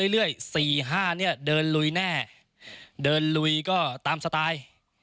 ๑๒๓เรื่อย๔๕เดินลุยแน่เดินลุยก็ตามสไตล์